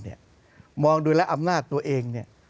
มีอำนาจตัวเอง